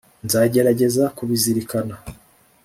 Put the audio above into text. nzagerageza kubizirikana